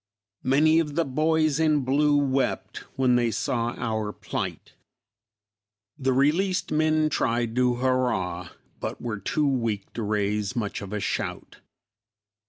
Many of the boys in blue wept, when they saw our plight. The released men tried to hurrah, but were too weak to raise much of a shout.